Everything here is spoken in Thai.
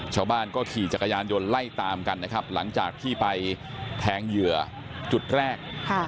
ชาวบ้านก็ขี่จักรยานยนต์ไล่ตามกันนะครับหลังจากที่ไปแทงเหยื่อจุดแรก